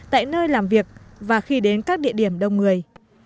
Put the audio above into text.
tại nơi làm việc và khi đến các địa điểm đông người